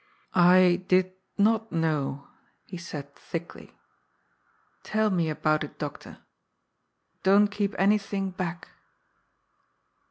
"I did not know," he said thickly. "Tell me about it, doctor. Don't keep anything back."